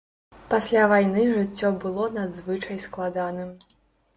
Пасля вайны жыццё было надзвычай складаным.